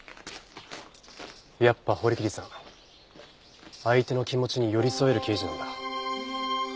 やっぱ堀切さん相手の気持ちに寄り添える刑事なんだ。